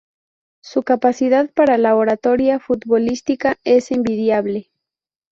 Su capacidad para la oratoria futbolística es envidiable.